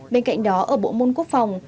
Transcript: bên cạnh đó ở bộ môn quốc phòng